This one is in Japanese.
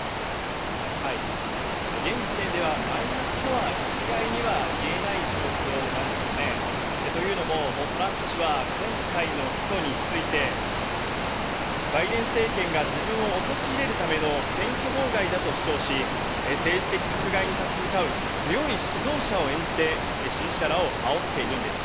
現時点ではマイナスとは一概には言えない状況なんですよね。というのもトランプ氏は、今回の起訴についてバイデン政権が自分を陥れるための選挙妨害だと主張し、政治的迫害に立ち向かう強い指導者を演じて、支持者らをあおっているんです。